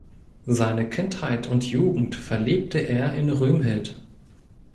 Seine Kindheit und Jugend verlebte er in Römhild.